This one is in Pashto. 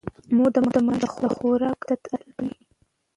مور د ماشوم د خوراک عادت اصلاح کوي.